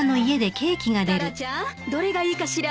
タラちゃんどれがいいかしら。